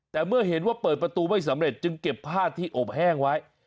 แต่เมื่อเห็นว่าเปิดประตูไม่สำเร็จจึงเก็บผ้าที่อบแห้งไว้